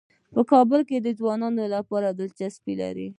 کابل د افغان ځوانانو لپاره دلچسپي لري.